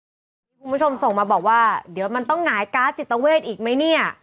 มีแต่ค่อยบริการอย่างเดียวคุณผู้ชมส่งมาบอกว่าเดี๋ยวมันต้องหงายการ์ดจิตเวชอีกไหมเนี้ย